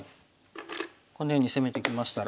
このように攻めてきましたら。